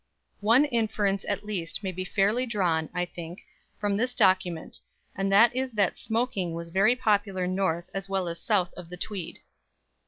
One inference at least may be fairly drawn, I think, from this document, and that is that smoking was very popular north as well as south of the Tweed.